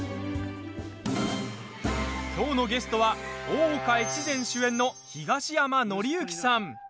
きょうのゲストは「大岡越前」主演の東山紀之さん。